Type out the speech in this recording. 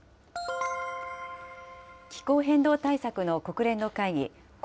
気候変動対策の国連の会議